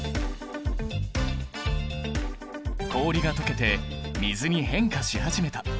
氷がとけて水に変化し始めた。